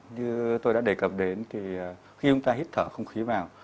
như tôi đã đề cập đến thì khi chúng ta hít thở không khí vào